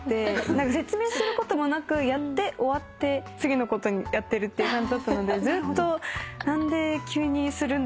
説明することもなくやって終わって次のことやってるっていう感じだったのでずっと何で急にするんだろうって気になってて。